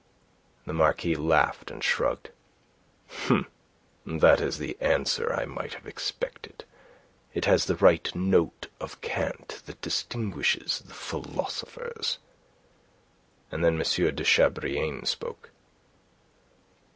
The Marquis laughed and shrugged. "That is the answer I might have expected. It has the right note of cant that distinguishes the philosophers." And then M. de Chabrillane spoke.